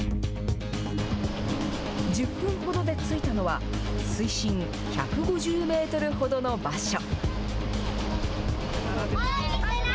１０分ほどで着いたのは、水深１５０メートルほどの場所。